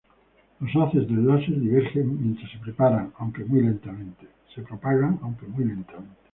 Los haces del láser divergen mientras se propagan, aunque muy lentamente.